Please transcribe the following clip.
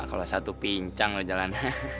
kalau satu pincang lo jalan